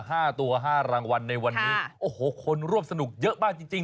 ห้าตัวห้ารางวัลในวันนี้โอ้โหคนร่วมสนุกเยอะมากจริงจริง